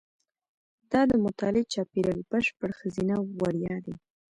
دا د مطالعې چاپېریال بشپړ ښځینه او وړیا دی.